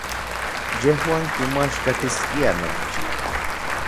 Yejuan kimoaxkatiskiaj nochi.